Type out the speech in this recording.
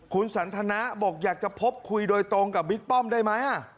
คุณสันทนะบอกอยากจะพบคุยโดยตรงกับบิ๊กป้อมได้ไหม